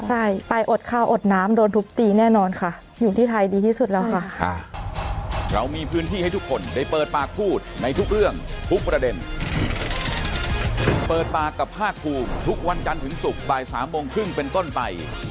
ใช่ไปอดข้าวอดน้ำโดนทุบตีแน่นอนค่ะอยู่ที่ไทยดีที่สุดแล้วค่ะ